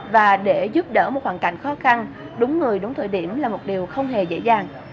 và để giúp đỡ một hoàn cảnh khó khăn đúng người đúng thời điểm là một điều không hề dễ dàng